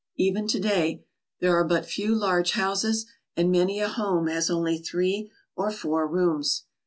Even to day there are but few large houses and many a home has only three or four rooms.